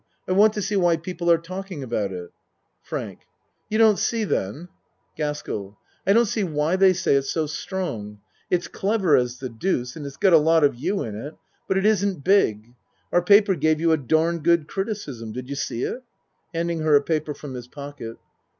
I want to see why people are talking about it. FRANK You don't see then? GASKELL I don't see why they say it's so strong. It's clever as the deuce and it's got a lot of you in it but it isn't big. Our paper gave you a darned good criticism. Did you see it? (Handing her a paper from his pocket.)